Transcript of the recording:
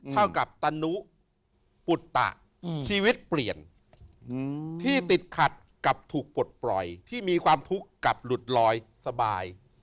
เท่ากับตนุปุตตะชีวิตเปลี่ยนที่ติดขัดกับถูกปลดปล่อยที่มีความทุกข์กับหลุดลอยสบาย